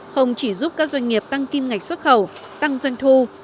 không chỉ giúp các doanh nghiệp tăng kim ngạch xuất khẩu tăng doanh thu